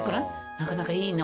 なかなかいいね。